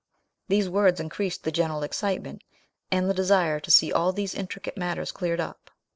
These words increased the general excitement and the desire to see all these intricate matters cleared up.